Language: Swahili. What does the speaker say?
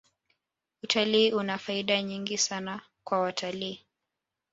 utalii una faida nyingi sana kwa watalii